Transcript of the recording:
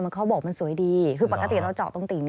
เขาบอกมันสวยดีคือปกติเราเจาะตรงติ่ง